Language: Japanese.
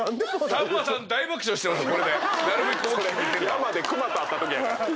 山で熊と会ったときやから。